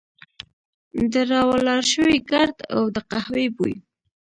د را ولاړ شوي ګرد او د قهوې بوی.